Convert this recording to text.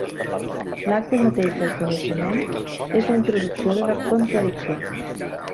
L'acte mateix del coneixement és la introducció de la contradicció.